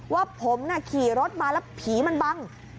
ว่าผมขี่รถมาแล้วผีมันบัง